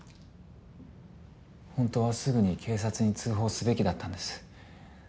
本当はすぐに警察に通報すべきだったんです。